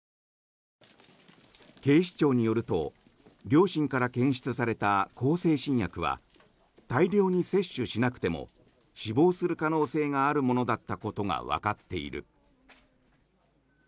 警視庁によると両親から検出された向精神薬は大量に摂取しなくても死亡する可能性があるものだったことがわかっている。